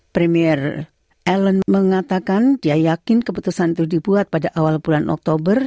premier ellen mengatakan dia yakin keputusan itu dibuat pada awal bulan oktober